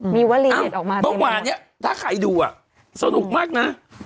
มีวัลีเห็นออกมา